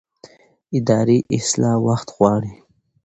اداري اصلاح وخت غواړي